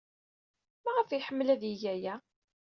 Maɣef ay iḥemmel ad yeg aya?